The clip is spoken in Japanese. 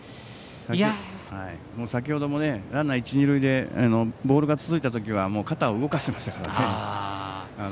先程もランナー、一、二塁でボールが続いた時は肩を動かしていましたからね。